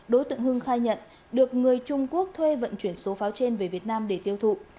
đối tượng hưng khai nhận được người trung quốc thuê vận chuyển số pháo trên về việt nam để tiêu thụ